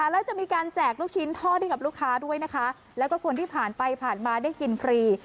แล้วจะมีการแจกลูกชิ้นทอดให้กับลูกค้าด้วยนะคะแล้วก็คนที่ผ่านไปผ่านมาได้กินฟรี